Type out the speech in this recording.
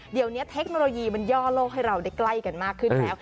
เดี๋ยวนี้เทคโนโลยีมันย่อโลกให้เราได้ใกล้กันมากขึ้นแล้ว